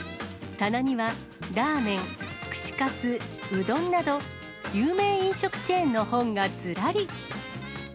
棚にはラーメン、串カツ、うどんなど、有名飲食チェーンの本がずらり。